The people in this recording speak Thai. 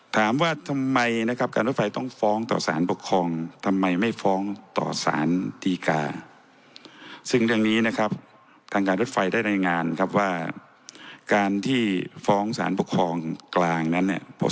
ถามว่าทำไมนะครับการรถไฟต้องฟ้องต่อสารปกครองทำไมไม่ฟ้องต่อสารดีกาซึ่งเรื่องนี้นะครับทางการรถไฟได้รายงานครับว่าการที่ฟ้องสารปกครองกลางนั้นเนี่ย